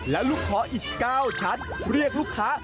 แล้วลูกคออีก๙ชั้นเรียกลูกค้า